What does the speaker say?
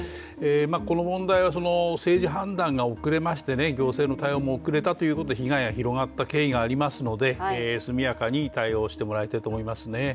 この問題は政治判断が遅れまして行政の対応も遅れたということで被害が広がった経緯がありますので速やかに対応してもらいたいと思いますね。